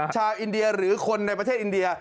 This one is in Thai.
ชาวอินเดียหรือคนในประเทศอินเดีย